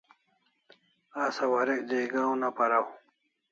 Asa warek jaiga una paraw